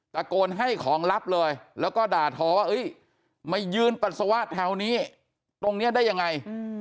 ตะโกนให้ของลับเลยแล้วก็ด่าทอว่ามายืนปัสสาวะแถวนี้ตรงนี้ได้ยังไง